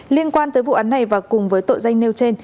liên quan tới vụ án này và cùng với tội danh nêu trên